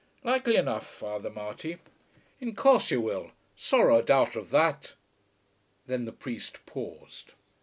"Likely enough, Father Marty." "In course you will. Sorrow a doubt of that." Then the priest paused.